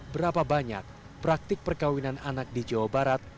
berapa banyak praktik perkawinan anak di jawa barat